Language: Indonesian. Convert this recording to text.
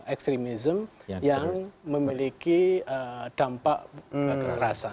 ekstremism yang memiliki dampak kekerasan